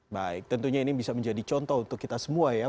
baik tentunya ini bisa menjadi contoh untuk kita semua ya